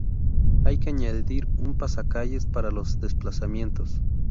Hay que añadir un Pasacalles para los desplazamientos.